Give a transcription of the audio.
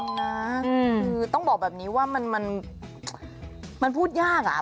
คือต้องบอกแบบนี้ว่ามันพูดยากอ่ะ